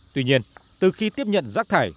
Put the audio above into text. tuy nhiên từ khi tiếp nhận rác thải